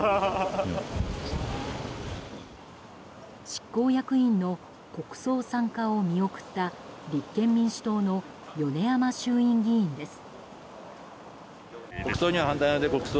執行役員の国葬参加を見送った立憲民主党の米山衆院議員です。